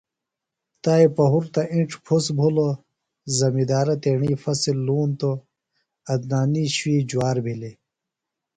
تائی پہُرتہ انڇ پُھس بِھلوۡ۔ زمندارہ تیݨی فصۡل لونۡتوۡ .عدنانی شُوِئی جُوار بِھلیۡ۔